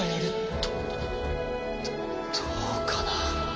どどうかな。